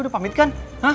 udah pamit kan